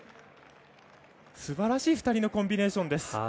すばらしい２人のコンビネーションです。